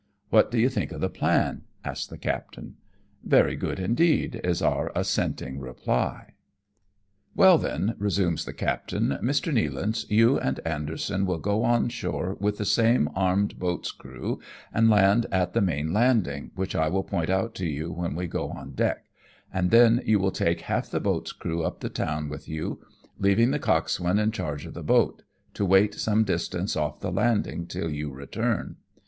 What do you think of the plan,'' asks the captain. " Very good indeed," is our assenting reply. " Well, then," resumes the captain, " Mr. Nealance, you and Anderson will go on shore with the same armed boat's crew and land at the main landing, which I will point out to you when we go on deck, and then you will take half the boat's crew up the town with you, leaving the coxswain in charge of the boat, to wait some distance off the landing till you return.